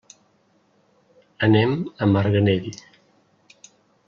Anem a Marganell.